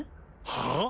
はあ！？